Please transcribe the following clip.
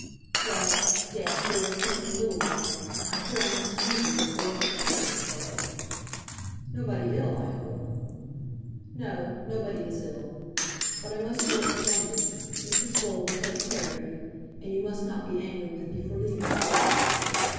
"Well; yes; there is something a little wrong. I fear I must leave you, and go up to town to day." "Nobody ill, I hope?" "No; nobody is ill. But I must go up to London. Mrs. Bole will take care of you, and you must not be angry with me for leaving you."